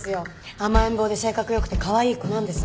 甘えん坊で性格良くてかわいい子なんです。